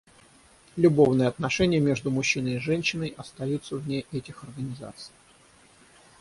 Любовные отношения между мужчиной и женщиной остаются вне этих организаций.